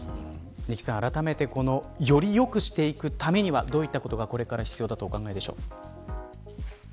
仁木さん、あらためてより良くしていくためにはどういったことがこれから必要だとお考えですか。